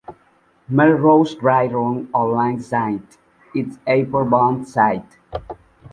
Melrose Drive runs alongside its airport-bound side.